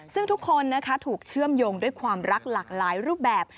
ซึ่งทุกคนนะคะถูกเชื่อมโยงด้วยความรักหลากหลายรูปแบบ